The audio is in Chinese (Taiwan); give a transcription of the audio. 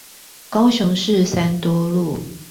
高雄市三多路